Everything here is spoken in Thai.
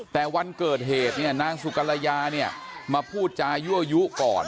แต่วันเกิดเหตุเนี่ยนางสุกรยาเนี่ยมาพูดจายั่วยุก่อน